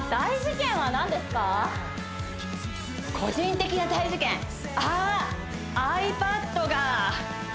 個人的な大事件ああ！